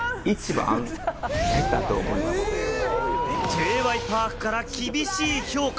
Ｊ．Ｙ．Ｐａｒｋから厳しい評価。